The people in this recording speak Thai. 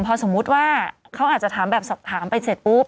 พอสมมุติว่าเขาอาจจะถามแบบสอบถามไปเสร็จปุ๊บ